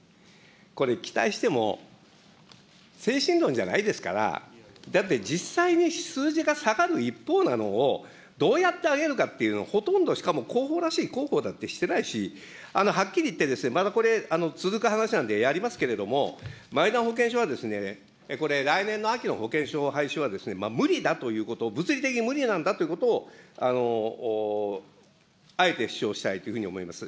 これ、期待しても精神論じゃないですから、だって実際に数字が下がる一方なのを、どうやって上げるかっていうの、ほとんど、しかも広報らしい広報をしてないし、はっきり言って、まだこれ続く話なんでやりますけれども、マイナ保険証は、これ、来年の秋の保険証廃止は無理だということを、物理的に無理なんだということを、あえて主張したいというふうに思います。